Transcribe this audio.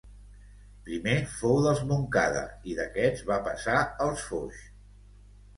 Primer fou dels Montcada i d'aquests va passar als Foix.